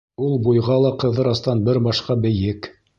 Ул буйға ла Ҡыҙырастан бер башҡа бейек.